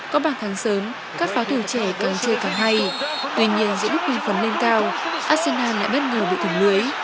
có bảng thắng sớm các pháo thủ trẻ càng chơi càng hay tuy nhiên giữa bức minh phấn lên cao arsenal lại bất ngờ bị thủng lưới